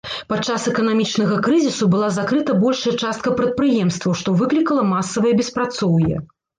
Падчас эканамічнага крызісу была закрыта большая частка прадпрыемстваў, што выклікала масавае беспрацоўе.